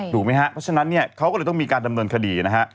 ถูกไหมฮะเพราะฉะนั้นเนี่ยเขาก็เลยต้องมีการดำเนินคดีนะฮะ